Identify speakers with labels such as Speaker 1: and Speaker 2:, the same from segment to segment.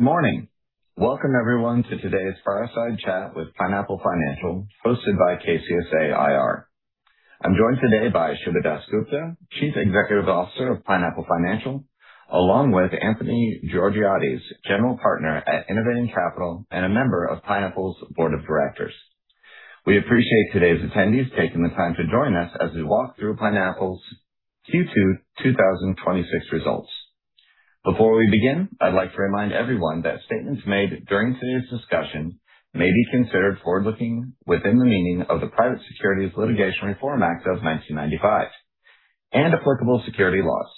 Speaker 1: Morning. Welcome everyone to today's fireside chat with Pineapple Financial, hosted by KCSA IR. I'm joined today by Shubha Dasgupta, Chief Executive Officer of Pineapple Financial, along with Anthony Georgiades, General Partner at Innovating Capital and a member of Pineapple's board of directors. We appreciate today's attendees taking the time to join us as we walk through Pineapple's Q2 2026 results. Before we begin, I'd like to remind everyone that statements made during today's discussion may be considered forward-looking within the meaning of the Private Securities Litigation Reform Act of 1995 and applicable securities laws.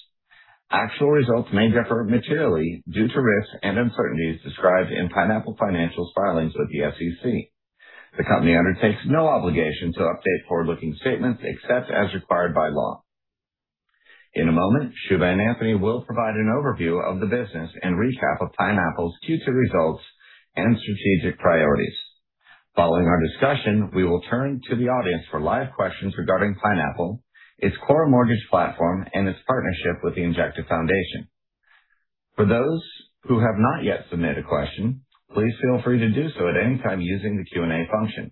Speaker 1: Actual results may differ materially due to risks and uncertainties described in Pineapple Financial's filings with the SEC. The company undertakes no obligation to update forward-looking statements except as required by law. In a moment, Shubha and Anthony will provide an overview of the business and recap of Pineapple's Q2 results and strategic priorities. Following our discussion, we will turn to the audience for live questions regarding Pineapple, its core mortgage platform, and its partnership with the Injective Foundation. For those who have not yet submitted a question, please feel free to do so at any time using the Q&A function.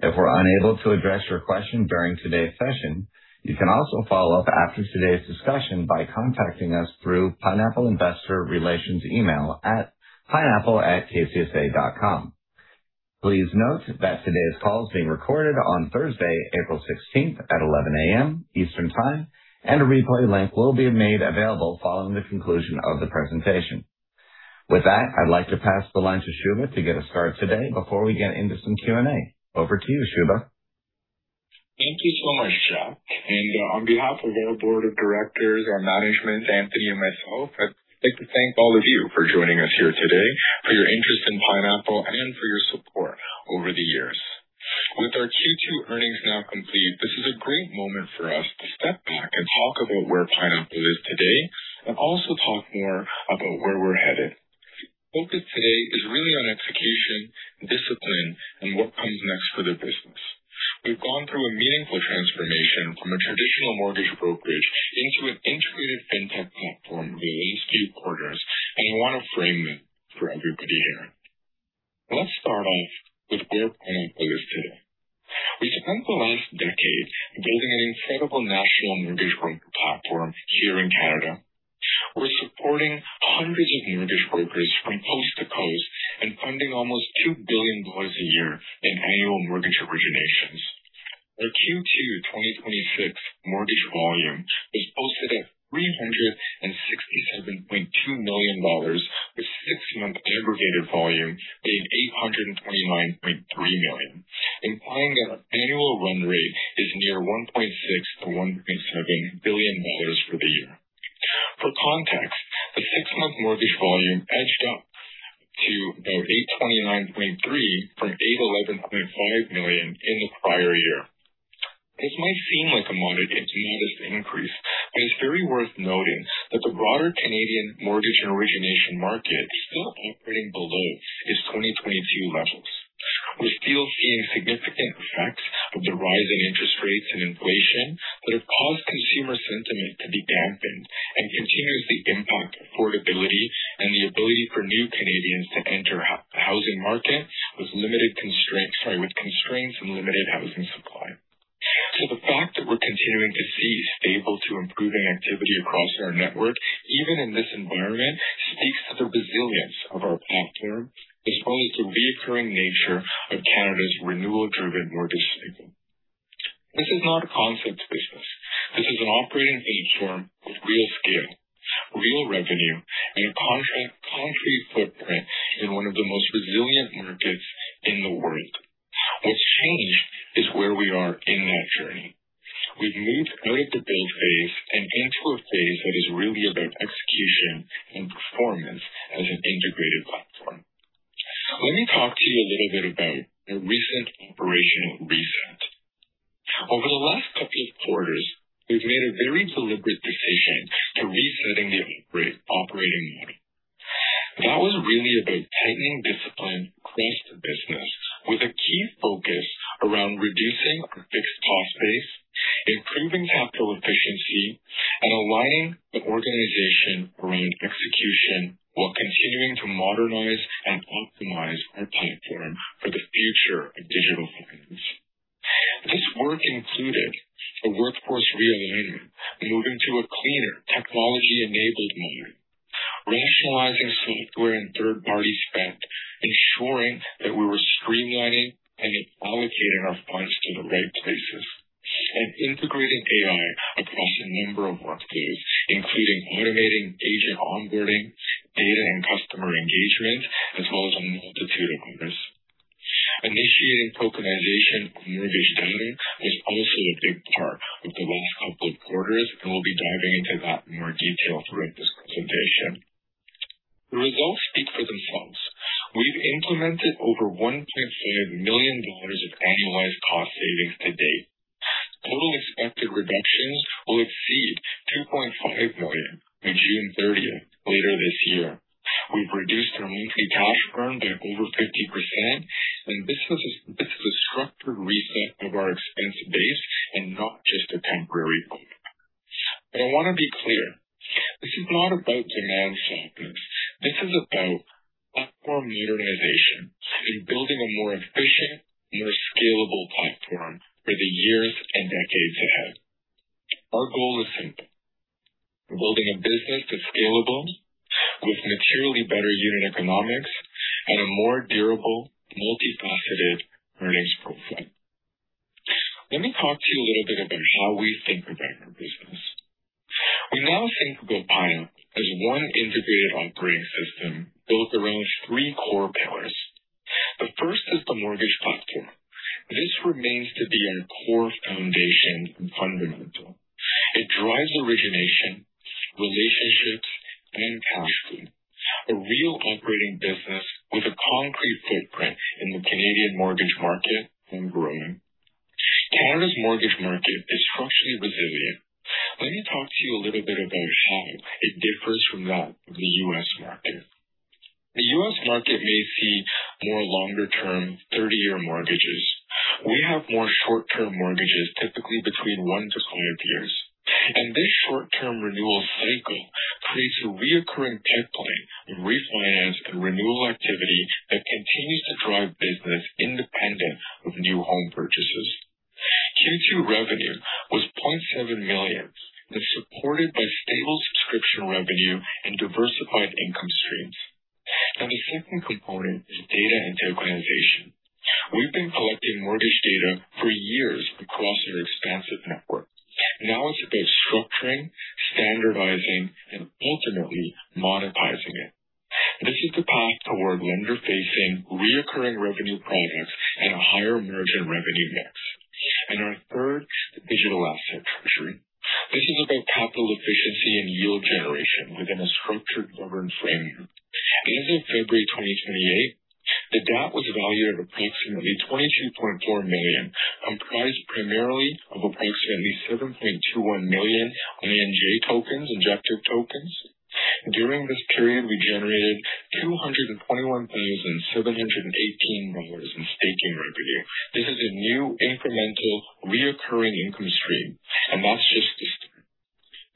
Speaker 1: If we're unable to address your question during today's session, you can also follow up after today's discussion by contacting us through Pineapple investor relations email at pineapple@kcsa.com. Please note that today's call is being recorded on Thursday, April 16th at 11 A.M. Eastern Time, and a replay link will be made available following the conclusion of the presentation. With that, I'd like to pass the line to Shubha to get us started today before we get into some Q&A. Over to you, Shubha.
Speaker 2: Thank you so much, Jack, and on behalf of our board of directors, our management, Anthony and myself, I'd like to thank all of you for joining us here today, for your interest in Pineapple and for your support over the years. With our Q2 earnings now complete, this is a great moment for us to step back and talk about where Pineapple is today and also talk more about where we're headed. The focus today is really on execution, discipline, and what comes next for the business. We've gone through a meaningful transformation from a traditional mortgage brokerage into an integrated fintech platform over the last few quarters, and we want to frame it for everybody here. Let's start off with where Pineapple is today. We spent the last decade building an incredible national mortgage broker platform here in Canada. We're supporting hundreds of mortgage brokers from coast to coast and funding almost 2 billion dollars a year in annual mortgage originations. Our Q2 2026 mortgage volume was posted at CAD 367.2 million, with six-month aggregated volume being CAD 829.3 million, implying that our annual run rate is near CAD 1.6 billion-CAD 1.7 billion for the year. For context, the six-month mortgage volume edged up to about 829.3 million from 811.5 million in the prior year. This may seem like a modest increase, but it's very worth noting that the broader Canadian mortgage origination market is still operating below its 2022 levels. We're still seeing significant effects of the rise in interest rates and inflation that have caused consumer sentiment to be dampened and continuously impact affordability and the ability for new Canadians to enter the housing market with constraints and limited housing supply. The fact that we're continuing to see stable to improving activity across our network, even in this environment, speaks to the resilience of our platform, as well as the recurring nature of Canada's renewal-driven mortgage cycle. This is not a concept business. This is an operating platform with real scale, real revenue, and a concrete footprint in one of the most resilient markets in the world. What's changed is where we are in that journey. We've moved out of the build phase and into a phase that is really about execution and performance as an integrated platform. Let me talk to you a little bit about a recent operational reset. Over the last couple of quarters, we've made a very deliberate decision to resetting the operating model. That was really about tightening discipline across the business with a key focus around reducing our fixed cost base, improving capital efficiency, and aligning the organization around execution while continuing to modernize and optimize our platform for the future of digital finance. This work included a workforce realignment, moving to a cleaner technology-enabled model, rationalizing software and third-party spend, ensuring that we were streamlining and allocating our funds to the right places, and integrating AI across a number of work streams, including automating agent onboarding, data and customer engagement, as well as a multitude of others. Initiating tokenization of mortgage lending was also a big part of the last couple of quarters, and we'll be diving into that in more detail throughout this presentation. The results speak for themselves. We've implemented over 1.5 million dollars of annualized cost savings to date. Total expected reductions will exceed 2.5 million by June thirtieth later this year. We've reduced our monthly cash burn by over 50%, and this is a structured reset of our expense base and not just a temporary bump. I want to be clear. This is not about demand softness. This is about platform modernization and building a more efficient, more scalable platform for the years and decades ahead. Our goal is simple. We're building a business that's scalable, with materially better unit economics and a more durable, multifaceted earnings profile. Let me talk to you a little bit about how we think about our business. We now think of Pineapple as one integrated operating system built around three core pillars. The first is the mortgage platform. This remains to be our core foundation and fundamental. It drives origination, relationships, and cash flow. A real operating business with a concrete footprint in the Canadian mortgage market and growing. Canada's mortgage market is structurally resilient. Let me talk to you a little bit about how it differs from that of the U.S. market. The U.S. market may see more longer-term, 30 year mortgages. We have more short-term mortgages, typically between one to five years, and this short-term renewal cycle creates a recurring pipeline of refinance and renewal activity that continues to drive business independent of new home purchases. Q2 revenue was 0.7 million and supported by stable subscription revenue and diversified income streams. Now the second component is data and tokenization. We've been collecting mortgage data for years across our expansive network. Now it's about structuring, standardizing, and ultimately monetizing it. This is the path toward lender-facing recurring revenue products and a higher merchant revenue mix. Our third is digital asset treasury. This is about capital efficiency and yield generation within a structured governance framework. As of February 28, 2026, the DAT was valued at approximately 22.4 million, comprised primarily of approximately 7.21 million ANJ tokens, Injective tokens. During this period, we generated 221,718 dollars in staking revenue. This is a new incremental recurring income stream, and that's just the start.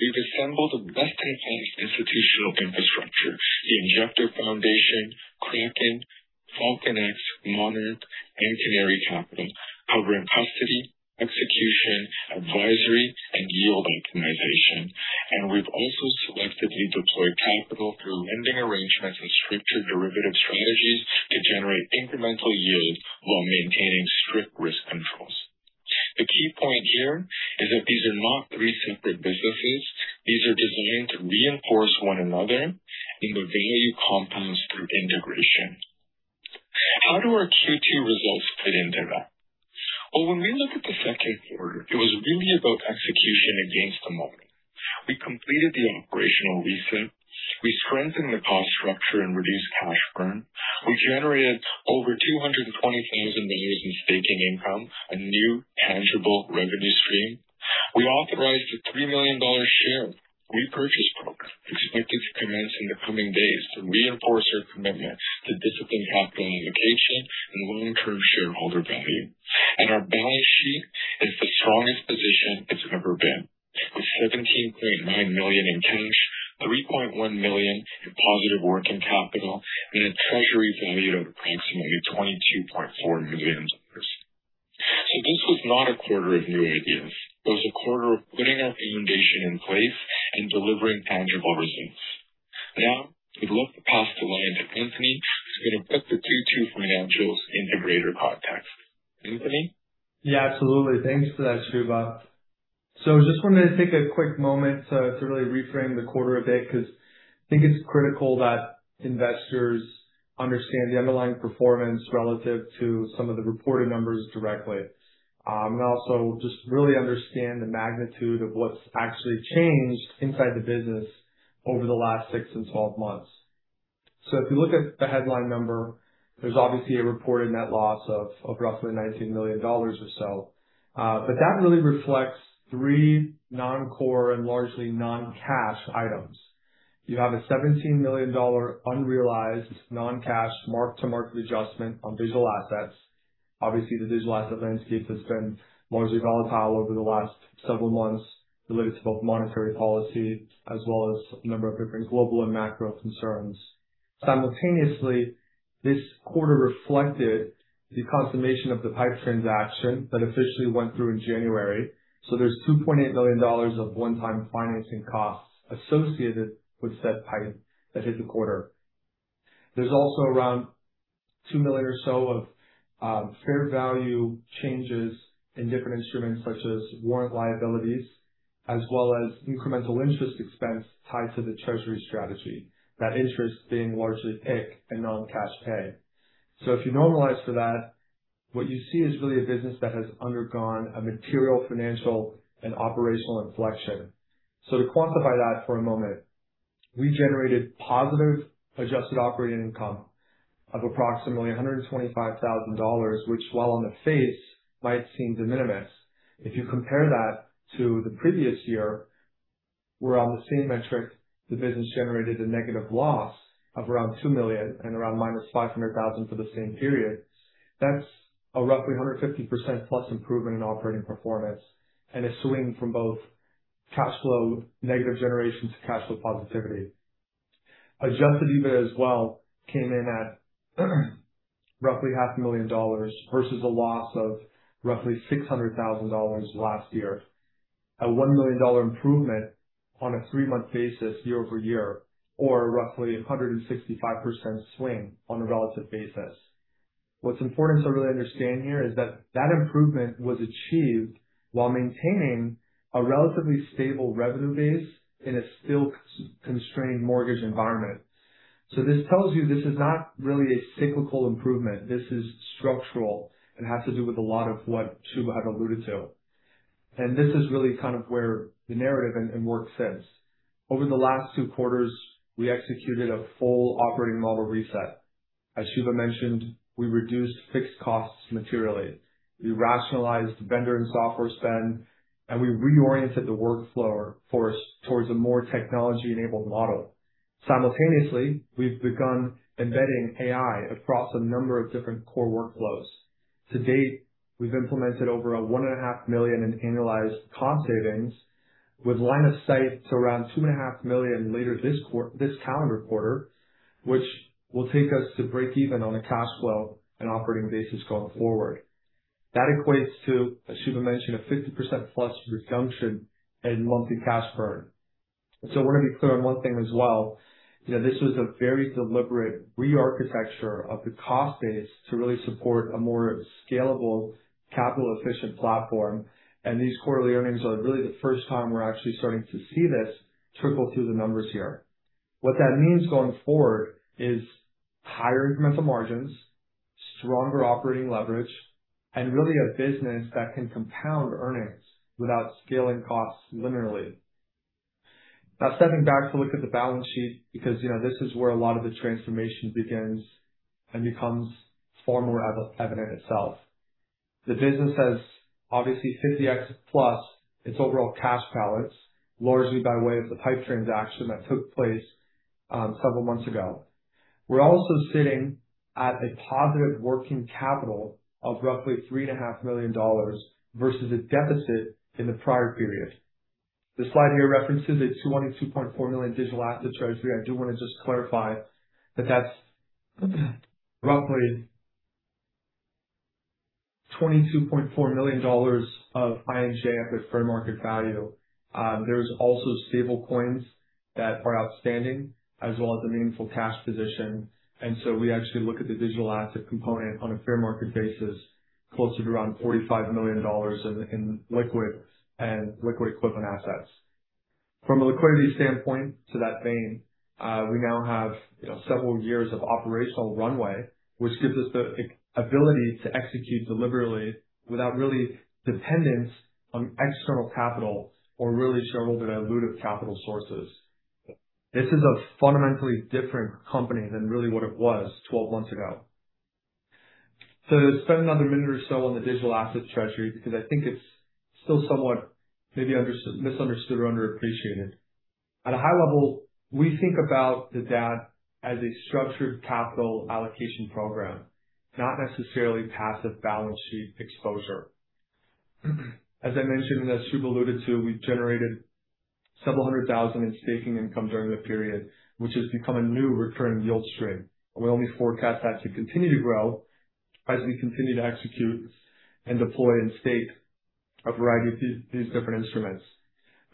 Speaker 2: We've assembled a best-in-class institutional infrastructure, the Injective Foundation, Kraken, FalconX, Monarch, and Canary Capital, covering custody, execution, advisory, and yield optimization. We've also selectively deployed capital through lending arrangements and structured derivative strategies to generate incremental yield while maintaining strict risk controls. The key point here is that these are not three separate businesses. These are designed to reinforce one another, and the value compounds through integration. How do our Q2 results fit into that? Well, when we look at the second quarter, it was really about execution against the model. We completed the operational reset. We strengthened the cost structure and reduced cash burn. We generated over 220,000 dollars in staking income, a new tangible revenue stream. We authorized a 3 million dollar share repurchase program expected to commence in the coming days to reinforce our commitment to disciplined capital allocation and long-term shareholder value. Our balance sheet is the strongest position it's ever been. With 17.9 million in cash, 3.1 million in positive working capital, and a treasury valued at approximately CAD 22.4 million. This was not a quarter of new ideas. It was a quarter of putting our foundation in place and delivering tangible results. Now I'd love to pass the line to Anthony, who's going to put the Q2 financials into greater context. Anthony?
Speaker 3: Yeah, absolutely. Thanks for that, Shubha. Just wanted to take a quick moment to really reframe the quarter a bit because I think it's critical that investors understand the underlying performance relative to some of the reported numbers directly. And also just really understand the magnitude of what's actually changed inside the business over the last 6 and 12 months. If you look at the headline number, there's obviously a reported net loss of roughly 19 million dollars or so. That really reflects three non-core and largely non-cash items. You have a 17 million dollar unrealized non-cash mark-to-market adjustment on digital assets. Obviously, the digital asset landscape has been largely volatile over the last several months related to both monetary policy as well as a number of different global and macro concerns. Simultaneously, this quarter reflected the consummation of the PIPE transaction that officially went through in January. There's 2.8 million dollars of one-time financing costs associated with said PIPE that hit the quarter. There's also around 2 million or so of fair value changes in different instruments, such as warrant liabilities, as well as incremental interest expense tied to the treasury strategy, that interest being largely PIK and non-cash pay. If you normalize for that, what you see is really a business that has undergone a material financial and operational inflection. To quantify that for a moment, we generated positive adjusted operating income of approximately 125,000 dollars, which, while on the face might seem de minimis, if you compare that to the previous year, where on the same metric, the business generated a negative loss of around 2 million and around minus 500,000 for the same period. That's a roughly 150%+ improvement in operating performance and a swing from both cash flow negative generation to cash flow positivity. Adjusted EBIT as well came in at roughly 500,000 dollars versus a loss of roughly 600,000 dollars last year. A 1 million dollar improvement on a 3-month basis year-over-year, or roughly 165% swing on a relative basis. What's important to really understand here is that that improvement was achieved while maintaining a relatively stable revenue base in a still constrained mortgage environment. This tells you this is not really a cyclical improvement, this is structural and has to do with a lot of what Shubha had alluded to. This is really kind of where the narrative and work sits. Over the last two quarters, we executed a full operating model reset. As Shubha mentioned, we reduced fixed costs materially. We rationalized vendor and software spend, and we reoriented the workflow force towards a more technology-enabled model. Simultaneously, we've begun embedding AI across a number of different core workflows. To date, we've implemented over 1.5 million in annualized cost savings with line of sight to around 2.5 million later this calendar quarter, which will take us to break even on a cash flow and operating basis going forward. That equates to, as Shubha mentioned, a 50% plus reduction in monthly cash burn. We're going to be clear on one thing as well. This was a very deliberate re-architecture of the cost base to really support a more scalable, capital-efficient platform. These quarterly earnings are really the first time we're actually starting to see this trickle through the numbers here. What that means going forward is higher incremental margins, stronger operating leverage, and really a business that can compound earnings without scaling costs linearly. Now stepping back to look at the balance sheet, because this is where a lot of the transformation begins and becomes far more evident itself. The business has obviously 50x plus its overall cash balance, largely by way of the PIPE transaction that took place several months ago. We're also sitting at a positive working capital of roughly 3.5 million dollars versus a deficit in the prior period. The slide here references a twenty-two point four million digital asset treasury. I do want to just clarify that that's roughly 22.4 million dollars of INJ at fair market value. There's also stablecoins that are outstanding as well as a meaningful cash position. We actually look at the digital asset component on a fair market basis closer to around 45 million dollars in liquid and liquid equivalent assets. From a liquidity standpoint, in that vein, we now have several years of operational runway, which gives us the ability to execute deliberately without real dependence on external capital or real struggle to dilute capital sources. This is a fundamentally different company than what it really was 12 months ago. To spend another minute or so on the Digital Asset Treasury, because I think it's still somewhat maybe misunderstood or underappreciated. At a high level, we think about the DAT as a structured capital allocation program, not necessarily passive balance sheet exposure. As I mentioned, and as Shubha alluded to, we've generated CAD several hundred thousand in staking income during the period, which has become a new recurring yield stream. We only forecast that to continue to grow as we continue to execute and deploy and stake a variety of these different instruments.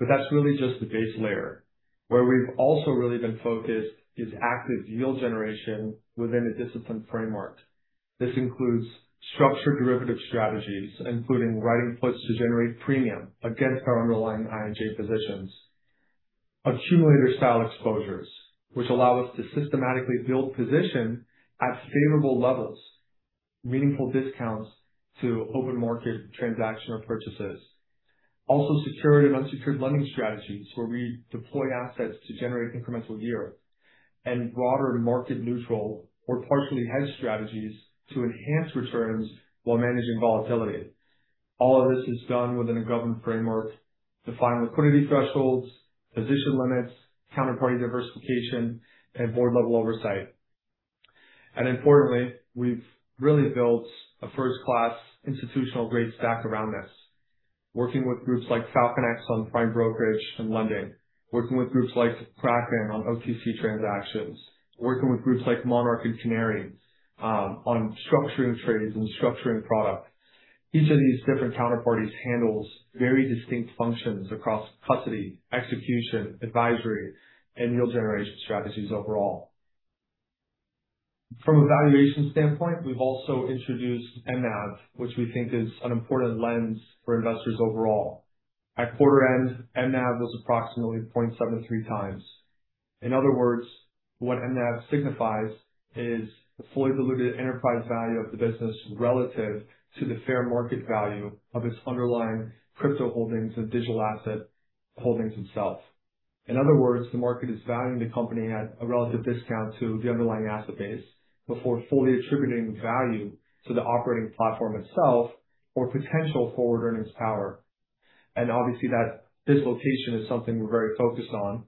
Speaker 3: That's really just the base layer. Where we've also really been focused is active yield generation within a disciplined framework. This includes structured derivative strategies, including writing puts to generate premium against our underlying INJ positions, accumulator style exposures, which allow us to systematically build position at favorable levels, meaningful discounts to open market transaction or purchases. Also secured and unsecured lending strategies, where we deploy assets to generate incremental yield, and broader market neutral or partially hedged strategies to enhance returns while managing volatility. All of this is done within a governed framework, defined liquidity thresholds, position limits, counterparty diversification, and board-level oversight. Importantly, we've really built a first-class institutional grade stack around this. Working with groups like FalconX on prime brokerage and lending. Working with groups like Kraken on OTC transactions. Working with groups like Monarch and Canary on structuring trades and structuring products. Each of these different counterparties handles very distinct functions across custody, execution, advisory, and yield generation strategies overall. From a valuation standpoint, we've also introduced NAV, which we think is an important lens for investors overall. At quarter end, NAV was approximately 0.73 times. In other words, what NAV signifies is the fully diluted enterprise value of the business relative to the fair market value of its underlying crypto holdings and digital asset holdings itself. In other words, the market is valuing the company at a relative discount to the underlying asset base before fully attributing value to the operating platform itself or potential forward earnings power. Obviously that dislocation is something we're very focused on,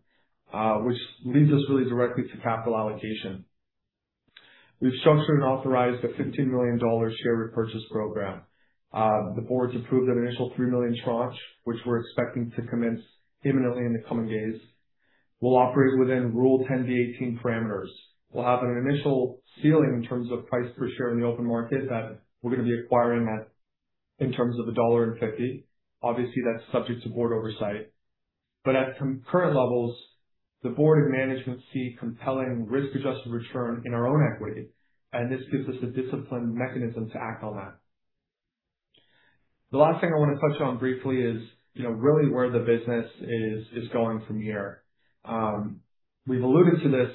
Speaker 3: which leads us really directly to capital allocation. We've structured and authorized a 15 million dollars share repurchase program. The board's approved an initial 3 million tranche, which we're expecting to commence imminently in the coming days. We'll operate within Rule 10b-18 parameters. We'll have an initial ceiling in terms of price per share in the open market that we're going to be acquiring at in terms of 1.50 dollar. Obviously, that's subject to board oversight. At current levels, the board and management see compelling risk-adjusted return in our own equity, and this gives us a disciplined mechanism to act on that. The last thing I want to touch on briefly is really where the business is going from here. We've alluded to this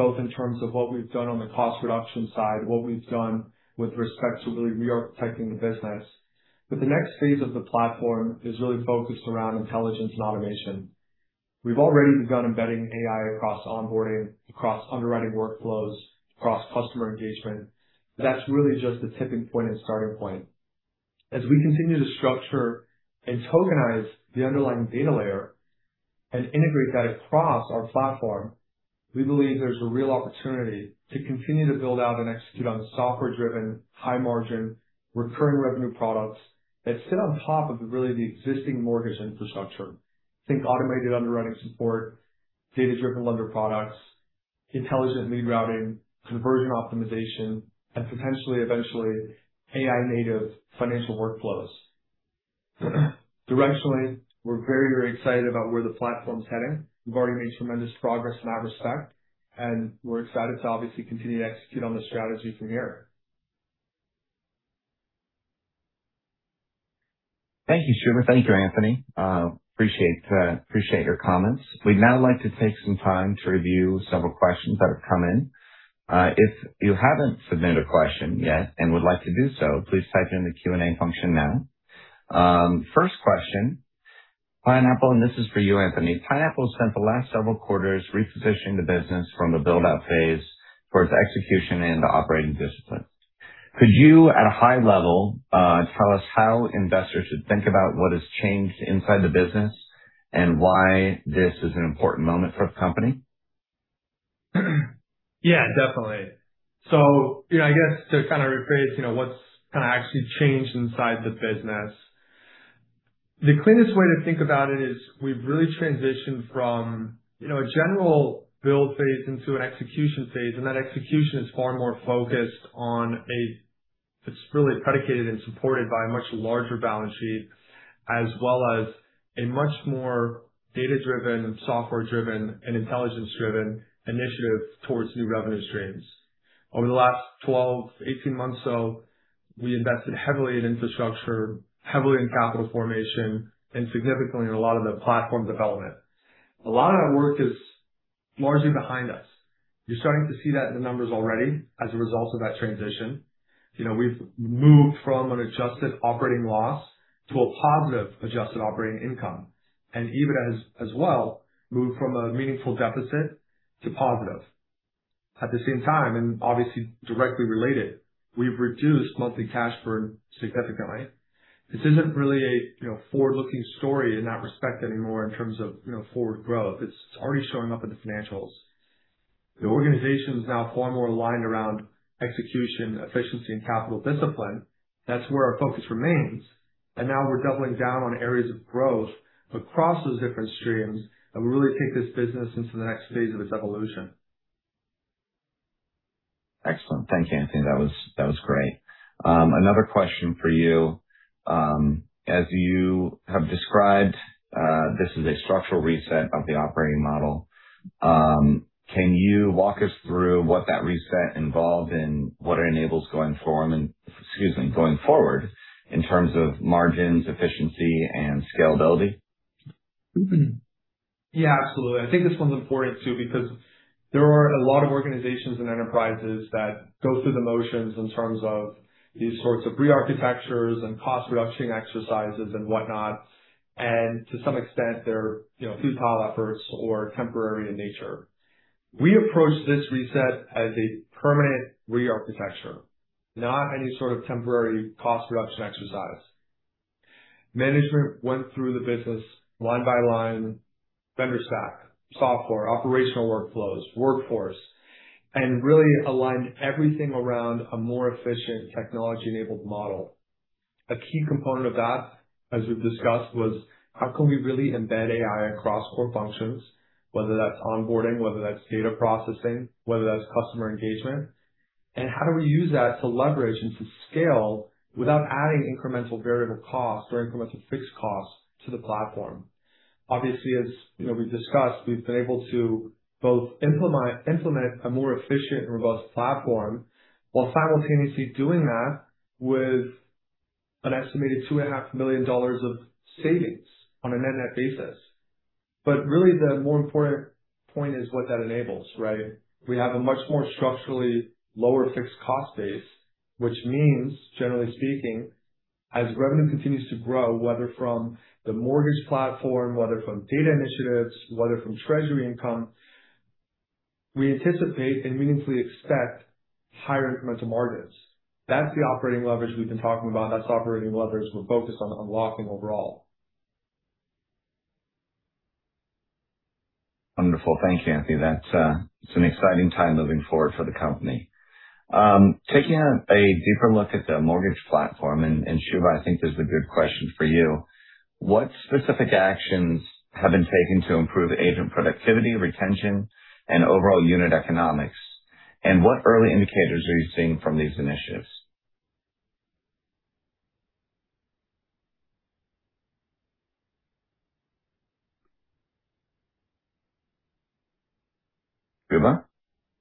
Speaker 3: both in terms of what we've done on the cost reduction side, what we've done with respect to really rearchitecting the business. The next phase of the platform is really focused around intelligence and automation. We've already begun embedding AI across onboarding, across underwriting workflows, across customer engagement. That's really just the tipping point and starting point. As we continue to structure and tokenize the underlying data layer and integrate that across our platform, we believe there's a real opportunity to continue to build out and execute on software-driven, high-margin, recurring revenue products that sit on top of really the existing mortgage infrastructure. Think automated underwriting support, data-driven lender products, intelligent lead routing, conversion optimization, and potentially, eventually, AI-native financial workflows. Directionally, we're very, very excited about where the platform's heading. We've already made tremendous progress in that respect, and we're excited to obviously continue to execute on the strategy from here.
Speaker 1: Thank you, Shubha. Thank you, Anthony. Appreciate your comments. We'd now like to take some time to review several questions that have come in. If you haven't submitted a question yet and would like to do so, please type in the Q&A function now. First question. Pineapple, and this is for you, Anthony. Pineapple spent the last several quarters repositioning the business from the build-out phase towards execution and operating discipline. Could you, at a high level, tell us how investors should think about what has changed inside the business and why this is an important moment for the company?
Speaker 3: Yeah, definitely. I guess to kind of rephrase what's actually changed inside the business. The cleanest way to think about it is we've really transitioned from a general build phase into an execution phase, and that execution is far more focused. It's really predicated and supported by a much larger balance sheet as well as a much more data-driven, software-driven, and intelligence-driven initiative towards new revenue streams. Over the last 12, 18 months or so, we invested heavily in infrastructure, heavily in capital formation, and significantly in a lot of the platform development. A lot of that work is largely behind us. You're starting to see that in the numbers already as a result of that transition. We've moved from an adjusted operating loss to a positive adjusted operating income, and even as well, moved from a meaningful deficit to positive. At the same time, and obviously directly related, we've reduced monthly cash burn significantly. This isn't really a forward-looking story in that respect anymore in terms of forward growth. It's already showing up in the financials. The organization is now far more aligned around execution, efficiency, and capital discipline. That's where our focus remains. Now we're doubling down on areas of growth across those different streams, and we really take this business into the next phase of its evolution.
Speaker 1: Excellent. Thanks, Anthony. That was great. Another question for you. As you have described, this is a structural reset of the operating model. Can you walk us through what that reset involved and what it enables going forward in terms of margins, efficiency, and scalability?
Speaker 3: Yeah, absolutely. I think this one's important too, because there are a lot of organizations and enterprises that go through the motions in terms of these sorts of rearchitectures and cost reduction exercises and whatnot. To some extent, they're futile efforts or temporary in nature. We approached this reset as a permanent rearchitecture, not any sort of temporary cost reduction exercise. Management went through the business line by line, vendor stack, software, operational workflows, workforce, and really aligned everything around a more efficient technology-enabled model. A key component of that, as we've discussed, was how can we really embed AI across core functions, whether that's onboarding, whether that's data processing, whether that's customer engagement, and how do we use that to leverage and to scale without adding incremental variable costs or incremental fixed costs to the platform. Obviously, as we've discussed, we've been able to both implement a more efficient and robust platform while simultaneously doing that with an estimated 2.5 million dollars of savings on a net-net basis. Really the more important point is what that enables, right? We have a much more structurally lower fixed cost base, which means, generally speaking, as revenue continues to grow, whether from the mortgage platform, whether from data initiatives, whether from treasury income, we anticipate and meaningfully expect higher incremental margins. That's the operating leverage we've been talking about. That's operating leverage we're focused on unlocking overall.
Speaker 1: Wonderful. Thanks, Anthony. It's an exciting time moving forward for the company. Taking a deeper look at the mortgage platform, and Shubha, I think this is a good question for you. What specific actions have been taken to improve agent productivity, retention, and overall unit economics, and what early indicators are you seeing from these initiatives? Shubha?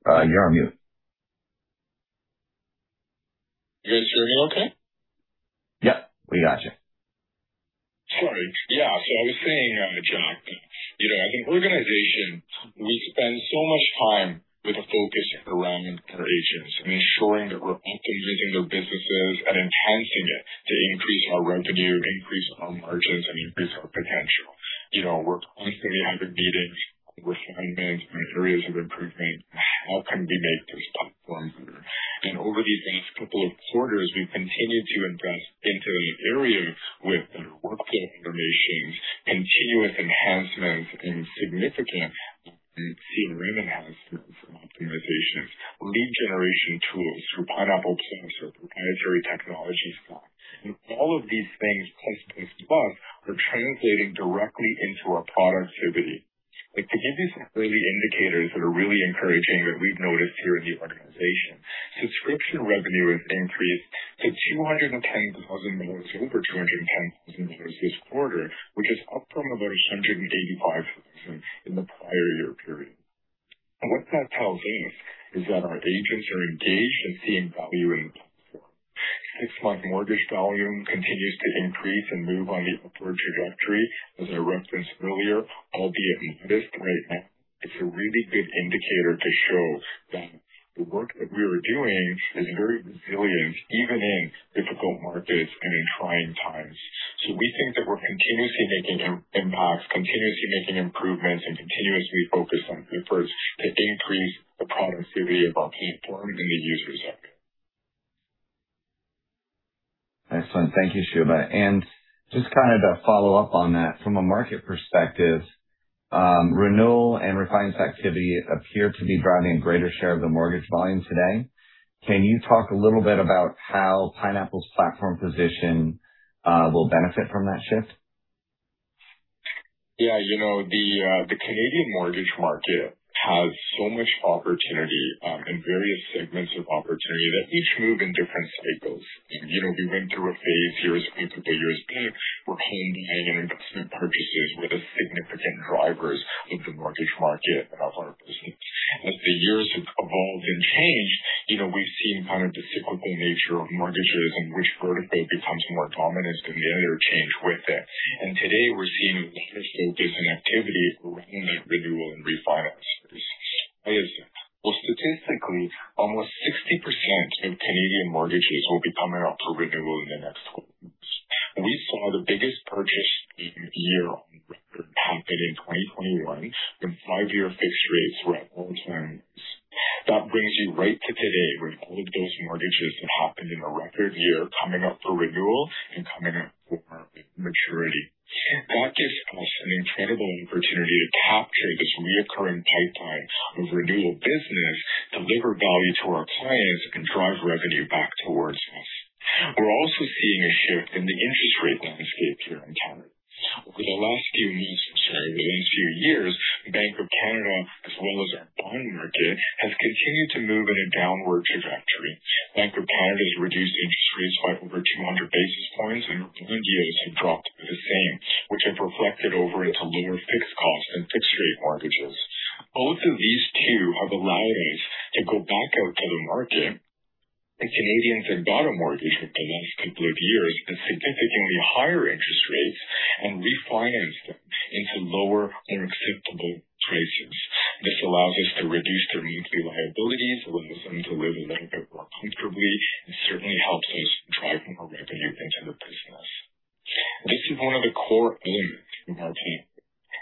Speaker 1: You're on mute.
Speaker 2: You guys hearing okay?
Speaker 1: Yeah, we got you.
Speaker 2: Sorry. Yeah. I was saying, John, as an organization, we spend so much time with a focus around our agents and ensuring that we're optimizing their businesses and enhancing it to increase our revenue, increase our margins, and increase our potential. We're constantly having meetings with refinements and areas of improvement. How can we make this platform better? Over these last couple of quarters, we've continued to invest into areas with better workflow information, continuous enhancements, and significant CRM enhancements and optimizations, lead generation tools through Pineapple Financial, through proprietary technology stack. All of these things, plus, plus, are translating directly into our productivity. To give you some early indicators that are really encouraging that we've noticed here in the organization, subscription revenue has increased to CAD 210 thousand, or over CAD 210 thousand this quarter, which is up from about CAD 185 thousand in the prior year period. What that tells us is that our agents are engaged and seeing value in the platform. Six-month mortgage volume continues to increase and move on the upward trajectory, as I referenced earlier, albeit this right now is a really good indicator to show that the work that we are doing is very resilient, even in difficult markets and in trying times. We think that we're continuously making impacts, continuously making improvements, and continuously focused on efforts to increase the productivity of our platform and the user set.
Speaker 1: Excellent. Thank you, Shubha. Just to follow up on that, from a market perspective, renewal and refinance activity appear to be driving a greater share of the mortgage volume today. Can you talk a little bit about how Pineapple's platform position will benefit from that shift?
Speaker 2: Yeah. The Canadian mortgage market has so much opportunity and various segments of opportunity that each move in different cycles. We went through a phase here a couple years back where home buying and investment purchases were the significant drivers of the mortgage market. As the years have evolved and changed, we've seen the cyclical nature of mortgages and which vertical becomes more dominant and the other change with it. Today we're seeing a larger focus and activity around that renewal and refinance space. Well, statistically, almost 60% of Canadian mortgages will be coming up for renewal in the next 12 months. We saw the biggest purchase year on record happen in 2021 when five year fixed rates were at all-time lows. That brings you right to today with all of those mortgages that happened in a record year coming up for renewal and coming up for maturity. That gives us an incredible opportunity to capture this recurring pipeline of renewal business, deliver value to our clients, and drive revenue back towards us. We're also seeing a shift in the interest rate landscape here in Canada. Over the last few years, the Bank of Canada, as well as our bond market, has continued to move in a downward trajectory. Bank of Canada has reduced interest rates by over 200 basis points, and bond yields have dropped the same, which have reflected over into lower fixed costs and fixed rate mortgages. Both of these two are allowing us to go back out to the market, as Canadians have got a mortgage over the last couple of years at significantly higher interest rates and refinance them into lower or acceptable rates. This allows us to reduce their monthly liabilities, allows them to live a little bit more comfortably, and certainly helps us drive more revenue into the business. This is one of the core aims of our team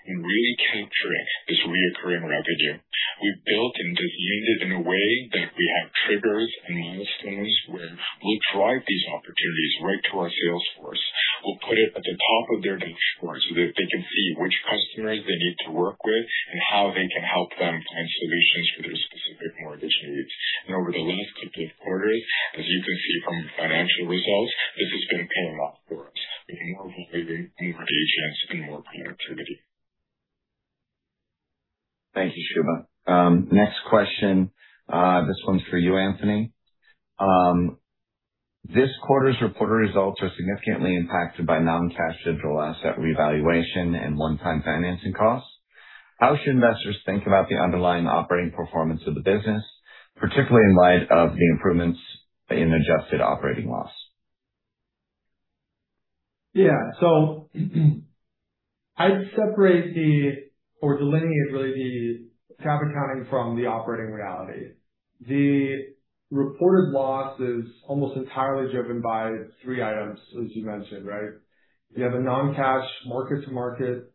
Speaker 2: in really capturing this recurring revenue. We've built in the unit in a way that we have triggers and milestones where we'll drive these opportunities right to our sales force. We'll put it at the top of their dashboard so that they can see which customers they need to work with and how they can help them find solutions for their specific mortgage needs. Over the last couple of quarters, as you can see from the financial results, this has been paying off for us with more
Speaker 1: Thank you, Shubha. Next question, this one's for you, Anthony. This quarter's reported results are significantly impacted by non-cash digital asset revaluation and one-time financing costs. How should investors think about the underlying operating performance of the business, particularly in light of the improvements in adjusted operating loss?
Speaker 3: Yeah. I'd separate or delineate, really, the GAAP accounting from the operating reality. The reported loss is almost entirely driven by three items, as you mentioned, right? You have a non-cash mark-to-market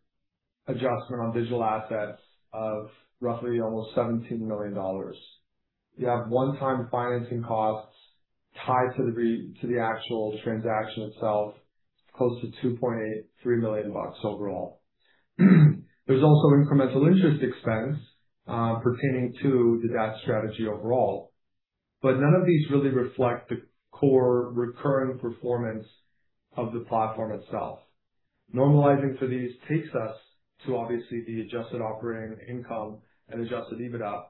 Speaker 3: adjustment on digital assets of roughly almost 17 million dollars. You have one-time financing costs tied to the actual transaction itself, close to 2.83 million bucks overall. There's also incremental interest expense pertaining to the debt strategy overall. None of these really reflect the core recurring performance of the platform itself. Normalizing for these takes us to obviously the adjusted operating income and Adjusted EBITDA.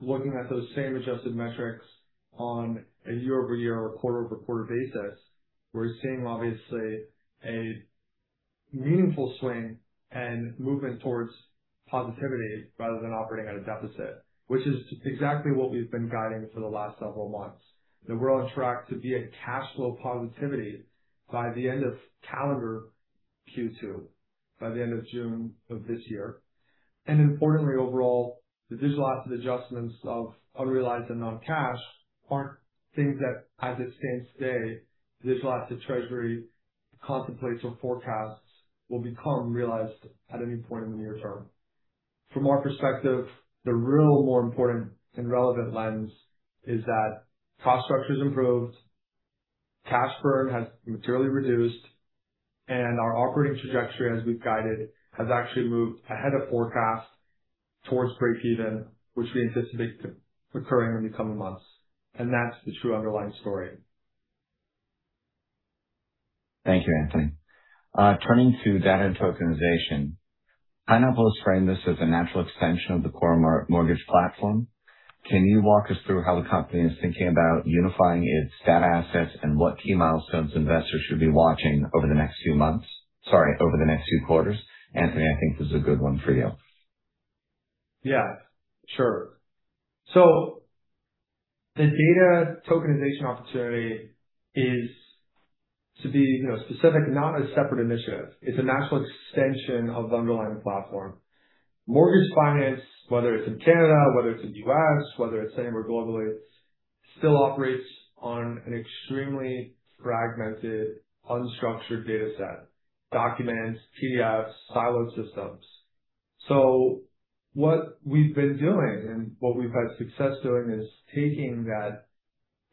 Speaker 3: Looking at those same adjusted metrics on a year-over-year or quarter-over-quarter basis, we're seeing obviously a meaningful swing and movement towards positivity rather than operating at a deficit, which is exactly what we've been guiding for the last several months. That we're on track to be at cash flow positivity by the end of calendar Q2, by the end of June of this year. Importantly, overall, the digital asset adjustments of unrealized and non-cash aren't things that, as it stands today, digital asset treasury contemplates or forecasts will become realized at any point in the near term. From our perspective, the real more important and relevant lens is that cost structure's improved, cash burn has materially reduced, and our operating trajectory, as we've guided, has actually moved ahead of forecast towards breakeven, which we anticipate occurring in the coming months. That's the true underlying story.
Speaker 1: Thank you, Anthony. Turning to data tokenization, Pineapple has framed this as a natural extension of the core mortgage platform. Can you walk us through how the company is thinking about unifying its data assets and what key milestones investors should be watching over the next few months? Sorry, over the next few quarters. Anthony, I think this is a good one for you.
Speaker 3: Yeah, sure. The data tokenization opportunity is to be specific, not a separate initiative. It's a natural extension of the underlying platform. Mortgage finance, whether it's in Canada, whether it's in U.S., whether it's anywhere globally, still operates on an extremely fragmented, unstructured data set. Documents, PDFs, siloed systems. What we've been doing, and what we've had success doing, is taking that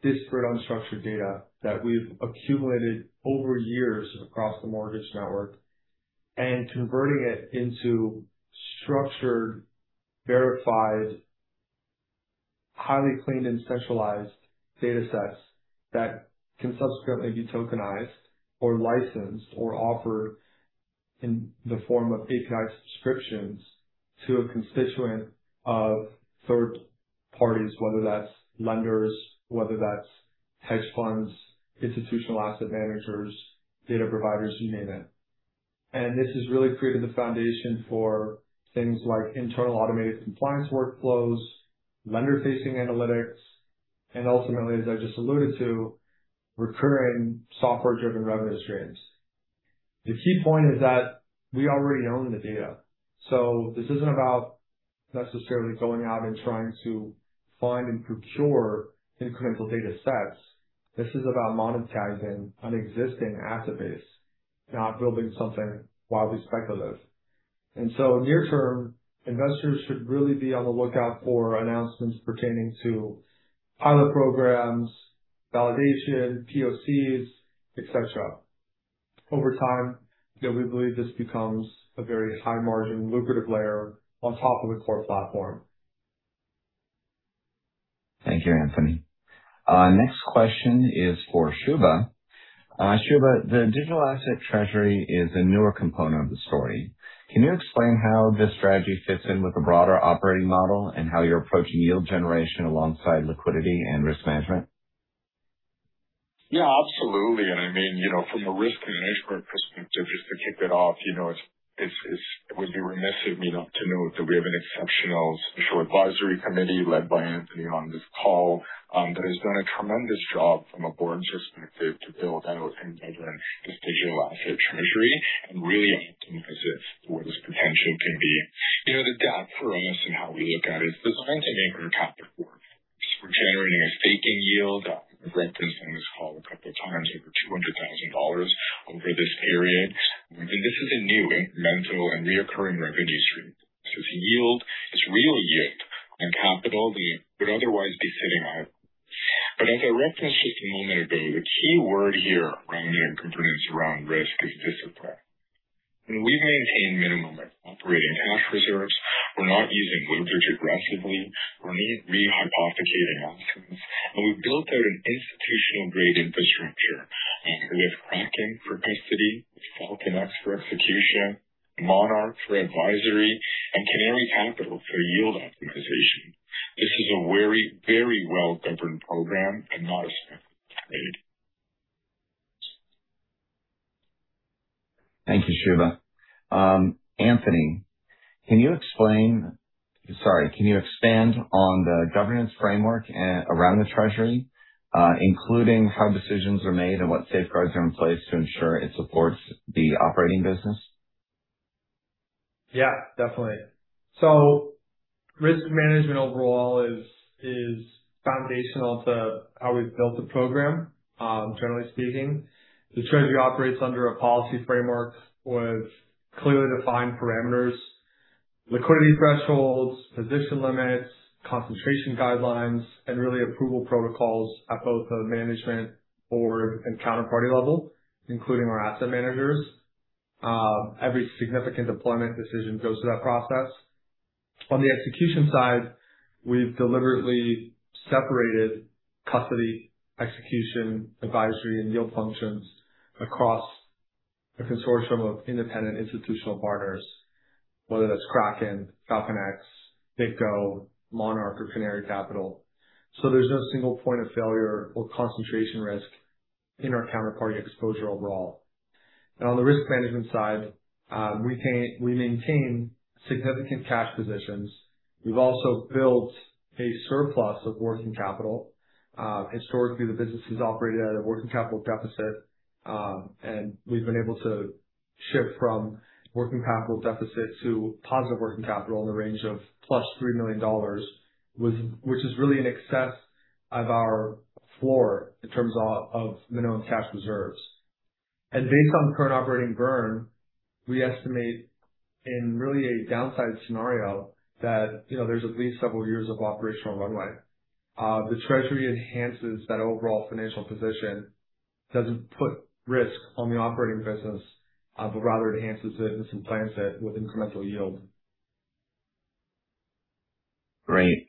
Speaker 3: disparate unstructured data that we've accumulated over years across the mortgage network and converting it into structured, verified, highly cleaned and centralized data sets that can subsequently be tokenized or licensed or offered in the form of API subscriptions to a constituent of third parties, whether that's lenders, whether that's hedge funds, institutional asset managers, data providers, you name it. This has really created the foundation for things like internal automated compliance workflows, lender-facing analytics, and ultimately, as I just alluded to, recurring software-driven revenue streams. The key point is that we already own the data, so this isn't about necessarily going out and trying to find and procure incremental data sets. This is about monetizing an existing asset base, not building something wildly speculative. Near term, investors should really be on the lookout for announcements pertaining to pilot programs, validation, POCs, etc. Over time, we believe this becomes a very high margin, lucrative layer on top of the core platform.
Speaker 1: Thank you, Anthony. Next question is for Shubha. Shubha, the digital asset treasury is a newer component of the story. Can you explain how this strategy fits in with the broader operating model and how you approach yield generation alongside liquidity and risk management?
Speaker 2: Yeah, absolutely. From a risk management perspective, just to kick it off, it would be remiss of me not to note that we have an exceptional special advisory committee led by Anthony on this call, that has done a tremendous job from a board's perspective to build out and govern this digital asset treasury and really hypothesize what its potential can be. The debt premise and how we look at it is designed to anchor capital. We're generating a staking yield. I've referenced on this call a couple of times, over 200,000 dollars over this period. This is a new incremental and recurring revenue stream. It's yield, it's real yield on capital that would otherwise be sitting idle. As I referenced just a moment ago, the key word here around the components around risk is discipline. We maintain minimum operating cash reserves. We're not using leverage aggressively. We're rehypothecating outcomes. We've built out an institutional-grade infrastructure with Kraken for custody, FalconX for execution, Monarch for advisory, and Canary Capital for yield optimization. This is a very well-governed program and not a.
Speaker 1: Thank you, Shubha. Anthony, can you expand on the governance framework around the treasury, including how decisions are made and what safeguards are in place to ensure it supports the operating business?
Speaker 3: Yeah, definitely. Risk management overall is foundational to how we've built the program, generally speaking. The treasury operates under a policy framework with clearly defined parameters, liquidity thresholds, position limits, concentration guidelines, and really approval protocols at both the management board and counterparty level, including our asset managers. Every significant deployment decision goes through that process. On the execution side, we've deliberately separated custody, execution, advisory, and yield functions across a consortium of independent institutional partners, whether that's Kraken, FalconX, BitGo, Monarch, or Canary Capital. There's no single point of failure or concentration risk in our counterparty exposure overall. Now, on the risk management side, we maintain significant cash positions. We've also built a surplus of working capital. Historically, the business is operated at a working capital deficit, and we've been able to shift from working capital deficit to positive working capital in the range of plus 3 million dollars, which is really in excess of our floor in terms of minimum cash reserves. Based on the current operating burn, we estimate in really a downside scenario that there's at least several years of operational runway. The treasury enhances that overall financial position, doesn't put risk on the operating business, but rather enhances it and supplants it with incremental yield.
Speaker 1: Great.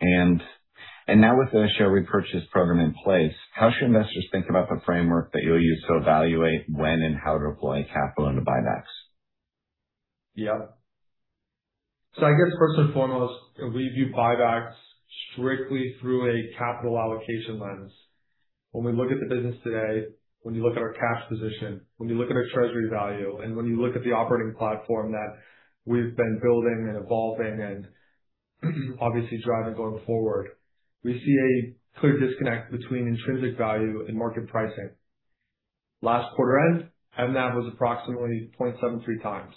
Speaker 1: Now with the share repurchase program in place, how should investors think about the framework that you'll use to evaluate when and how to deploy capital into buybacks?
Speaker 3: Yeah. I guess first and foremost, we view buybacks strictly through a capital allocation lens. When we look at the business today, when you look at our cash position, when you look at our treasury value, and when you look at the operating platform that we've been building and evolving and obviously driving going forward, we see a clear disconnect between intrinsic value and market pricing. Last quarter end, NAV was approximately 0.73 times,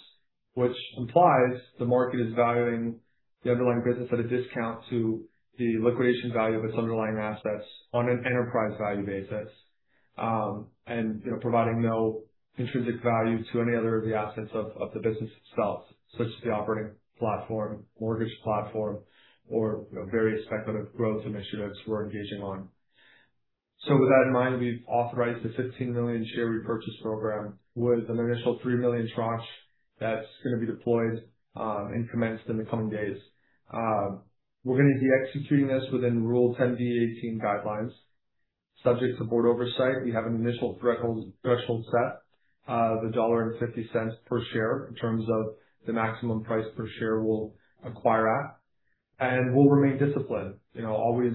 Speaker 3: which implies the market is valuing the underlying business at a discount to the liquidation value of its underlying assets on an enterprise value basis. Providing no intrinsic value to any other of the assets of the business itself, such as the operating platform, mortgage platform, or various speculative growth initiatives we're engaging on. With that in mind, we've authorized a 15 million share repurchase program with an initial 3 million tranche that's going to be deployed, and commenced in the coming days. We're going to be executing this within Rule 10b-18 guidelines, subject to board oversight. We have an initial threshold set of 1.50 dollar per share in terms of the maximum price per share we'll acquire at, and we'll remain disciplined, always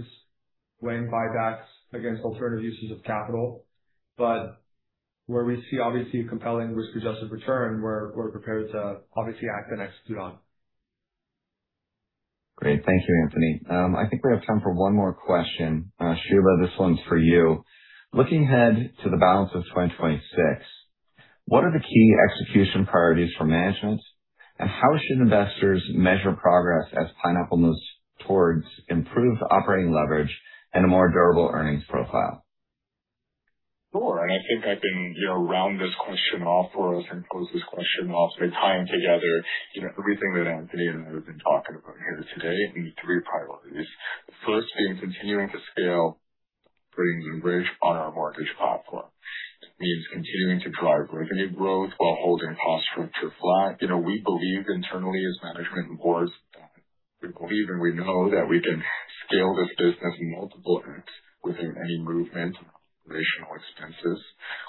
Speaker 3: weighing buybacks against alternative uses of capital. Where we see obviously compelling risk-adjusted return, we're prepared to obviously act and execute on.
Speaker 1: Great. Thank you, Anthony. I think we have time for one more question. Shubha, this one's for you. Looking ahead to the balance of 2026, what are the key execution priorities for management, and how should investors measure progress as Pineapple moves towards improved operating leverage and a more durable earnings profile?
Speaker 2: Sure. I think I can round this question off for us and close this question off by tying together everything that Anthony and I have been talking about here today in three priorities. First, in continuing to scale bringing leverage on our mortgage platform. That means continuing to drive revenue growth while holding cost structure flat. We believe internally as management and board that we know that we can scale this business multiple x without any movement in operational expenses.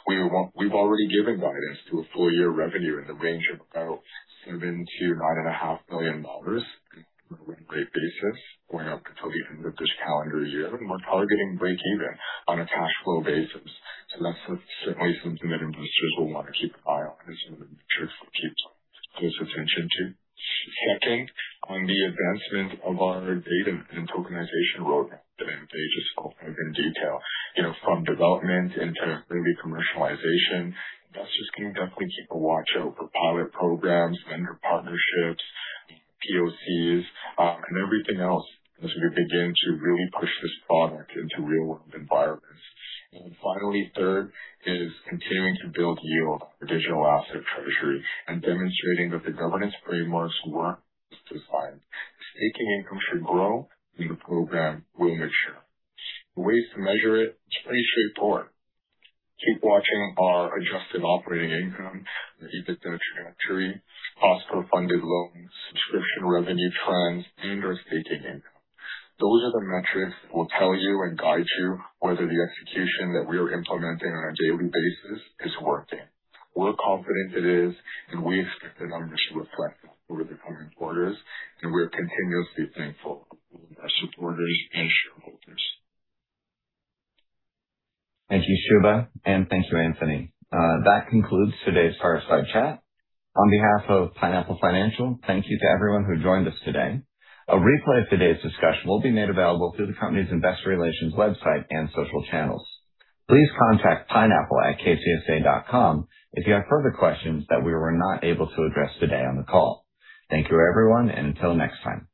Speaker 2: We've already given guidance to a full year revenue in the range of about 7 million-9.5 million dollars on a run rate basis going up until the end of this calendar year. We're targeting breakeven on a cash flow basis. That's certainly something that investors will want to keep an eye on and something to keep close attention to. Second, on the advancement of our data and tokenization roadmap that Anthony just covered in detail. From development into really commercialization, investors can definitely keep a watch out for pilot programs, vendor partnerships, POCs, and everything else as we begin to really push this product into real world environments. Finally, third is continuing to build yield on our digital asset treasury and demonstrating that the governance frameworks work as designed. Staking income should grow as the program will mature. Ways to measure it's pretty straightforward. Keep watching our adjusted operating income, EBITDA trajectory, cost for funded loans, subscription revenue trends, and our staking income. Those are the metrics that will tell you and guide you whether the execution that we are implementing on a daily basis is working. We're confident it is, and we expect that our mission will track over the coming quarters, and we are continuously thankful for our supporters and shareholders.
Speaker 1: Thank you, Shubha, and thank you, Anthony. That concludes today's fireside chat. On behalf of Pineapple Financial, thank you to everyone who joined us today. A replay of today's discussion will be made available through the company's investor relations website and social channels. Please contact pineapple@kcsa.com if you have further questions that we were not able to address today on the call. Thank you, everyone, and until next time.